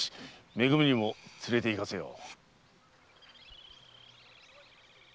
め組にも連れて行かせよう。